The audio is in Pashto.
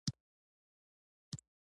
قلم د صداقت ژبه ده